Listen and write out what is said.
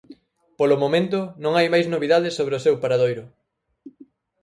Polo momento, non hai máis novidades sobre o seu paradoiro.